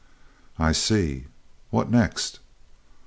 "I see. What next?"